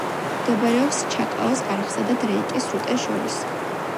მდებარეობს ჩაკაოს არხსა და დრეიკის სრუტეს შორის.